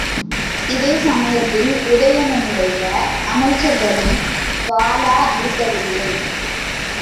இதே சமயத்தில் உதயணனுடைய அமைச்சர்களும் வாளா இருக்கவில்லை!